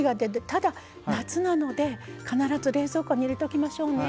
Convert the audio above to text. ただ、夏なので必ず冷蔵庫に入れておきましょうね。